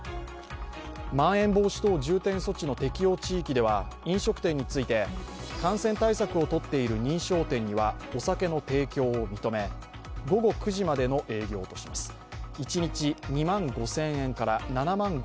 まん延防止等重点措置の適用地域では飲食店について、感染対策をとっている認証店にはお酒の提供を認め、午後９時までの営業とします。